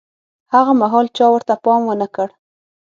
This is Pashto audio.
هاغه مهال چا ورته پام ونه کړ.